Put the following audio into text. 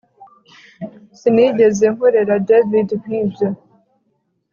Sinigeze nkorera David nkibyo